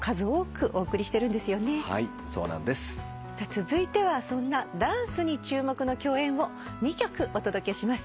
続いてはそんなダンスに注目の共演を２曲お届けします。